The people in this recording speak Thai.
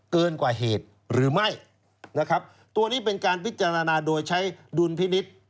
เกินกว่าเหตุหรือไม่นะครับตัวนี้เป็นการพิจารณาโดยใช้ดุลพินิษฐ์